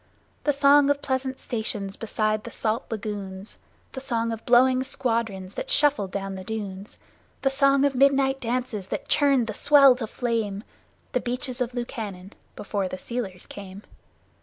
The song of pleasant stations beside the salt lagoons, The song of blowing squadrons that shuffled down the dunes, The song of midnight dances that churned the sea to flame The Beaches of Lukannon before the sealers came!